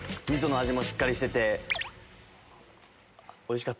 味噌の味もしっかりしてて。